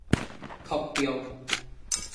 拓張